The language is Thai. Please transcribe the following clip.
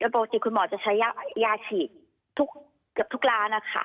ปกติคุณหมอจะใช้ยาฉีดเกือบทุกร้านนะคะ